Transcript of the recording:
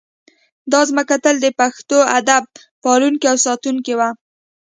دا ځمکه تل د پښتو ادب پالونکې او ساتونکې وه